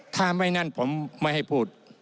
ถ้าไม่นั่นผมไม่ให้พูด